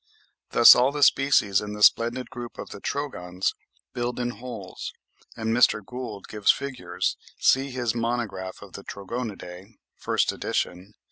Thus all the species in the splendid group of the Trogons build in holes; and Mr. Gould gives figures (21. See his Monograph of the Trogonidae, 1st edition.)